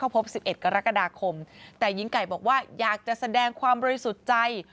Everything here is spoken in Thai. พบ๑๑กรกฎาคมแต่หญิงไก่บอกว่าอยากจะแสดงความบริสุทธิ์ใจ